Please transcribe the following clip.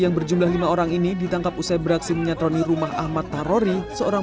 yang berjumlah lima orang ini ditangkap usai beraksi menyatroni rumah ahmad tarori seorang